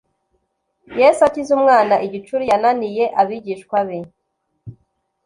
Yesu akiza umwana igicuri cyananiye abigishwa be